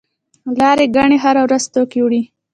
لاری ګانې هره ورځ توکي وړي.